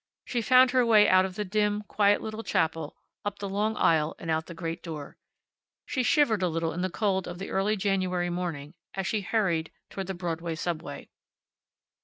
She found her way out of the dim, quiet little chapel, up the long aisle and out the great door. She shivered a little in the cold of the early January morning as she hurried toward the Broadway subway.